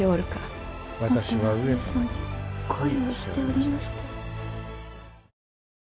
もとは上様に恋をしておりましたよ。